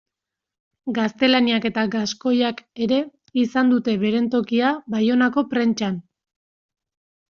Gaztelaniak eta gaskoiak ere izan dute beren tokia Baionako prentsan.